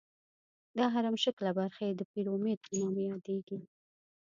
دا هرم شکله برخې د پیرامید په نامه یادیږي.